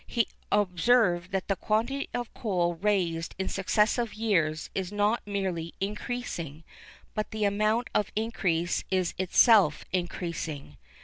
He observed that the quantity of coal raised in successive years is not merely increasing, but the amount of increase is itself increasing.